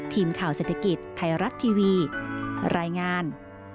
ทีมข่าวเศรษฐกิจไทยรัฐทีวีรายงาน